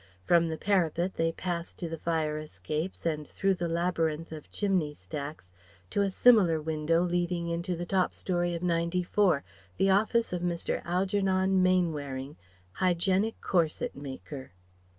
From the parapet they passed to the fire escapes and through the labyrinth of chimney stacks to a similar window leading into the top storey of 94, the office of Mr. Algernon Mainwaring, Hygienic Corset maker.